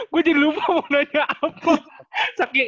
gue jadi lupa mau nanya apa